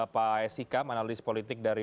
pak s sikam analis politik dari